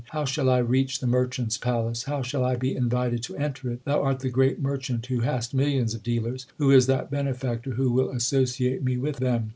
How shall I reach the Merchant s palace ? How shall I be invited to enter it ? Thou art the great Merchant who hast millions of dealers. Who is that benefactor who will associate me with them